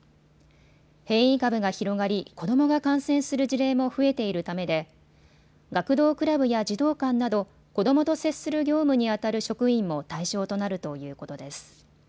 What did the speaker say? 変異株が広がり子どもが感染する事例も増えているためで学童クラブや児童館など子どもと接する業務にあたる職員も対象となるということです。